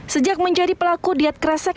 sejak menjadi pelaku diet kresek